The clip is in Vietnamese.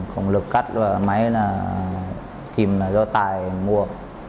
không lực cắt và máy là tìm là do tài mua